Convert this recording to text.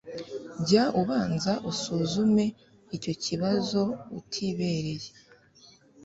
jya ubanza usuzume icyo kibazo utibereye